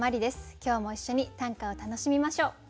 今日も一緒に短歌を楽しみましょう。